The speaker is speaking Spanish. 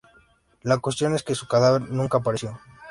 La cuestión es que su cadáver nunca apareció.